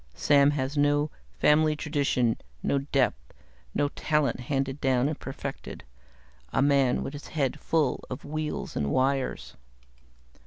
Sam has no family tradition, no depth, no talent handed down and perfected. A man with his head full of wheels and wires."